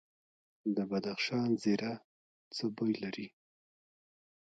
د بدخشان زیره څه بوی لري؟